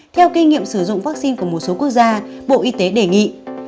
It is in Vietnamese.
theo kinh nghiệm sử dụng vaccine của một số quốc gia bộ y tế đề nghị